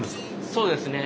そうですね。